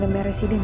terima kasih pak